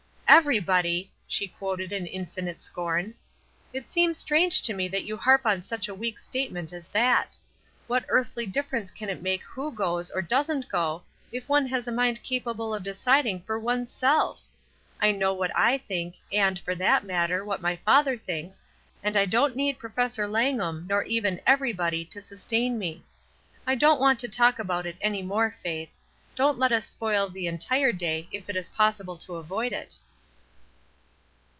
''Everybody!" she quoted in infinite scorn. "It seems strange to me that you will harp on such a weak statement as that ! What earthly difference can it make who goes or doesn't go, if one has a mind capable of deciding for one's self ? I know what I think, and, for that matter, what my father thinks, and I don't need Pro fessor Langham nor even 'everybody' to sustain me. I don't want to talk about it any more, ON THE TRAIL 155 Faith. Don't let us spoil the entire day, if it is possible to avoid it."